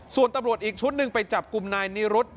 ส่วนตำรวจอีกชุดหนึ่งไปจับกลุ่มนายนิรุธ